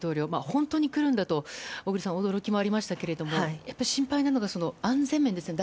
本当に来るんだと小栗さん、驚きもありましたが心配なのは安全面ですよね。